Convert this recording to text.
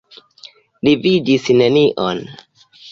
Li vidis nenion.